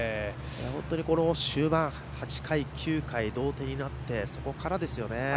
この終盤、８回、９回同点になってそこからですよね。